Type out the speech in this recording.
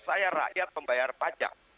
saya rakyat pembayar pajak